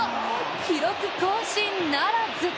記録更新ならず。